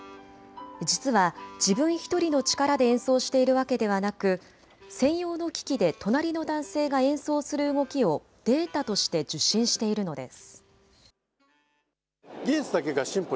実は自分１人の力で演奏しているわけではなく専用の機器で隣の男性が演奏する動きをデータとして受信しているのです。